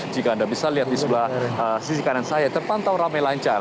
jika anda bisa lihat di sebelah sisi kanan saya terpantau rame lancar